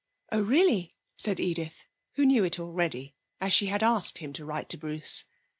'Oh, really,' said Edith, who knew it already, as she had asked him to write to Bruce.